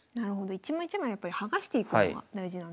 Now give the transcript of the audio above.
一枚一枚やっぱり剥がしていくのが大事なんですね。